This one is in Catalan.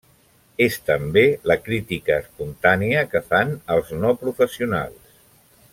És també la crítica espontània que fan els no professionals.